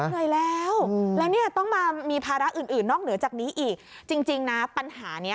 เหนื่อยแล้วแล้วเนี่ยต้องมามีภาระอื่นอื่นนอกเหนือจากนี้อีกจริงนะปัญหานี้